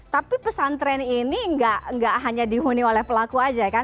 tapi pesantren ini nggak hanya dihuni oleh pelaku aja kan